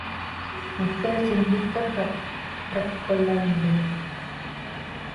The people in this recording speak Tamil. மக்கள் சிந்திக்கக் கற்றக்கொள்ளவேண்டும்.